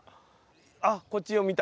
あこっちを見た。